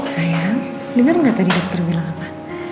sayang denger nggak tadi dokter bilang apa